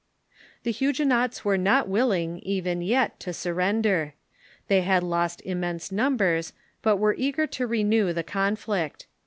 The Huguenots Avere not willing, even yet, to surrender. They had lost immense numbers, but were eager to renew the conflict.